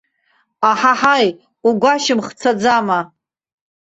Аҳаҳаи, угәашьамх цаӡама.